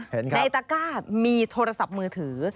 เห็นครับในตะก้าวมีโทรศัพท์มือถือ